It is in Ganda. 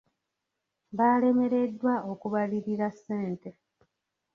Baalemereddwa okubalirira ssente.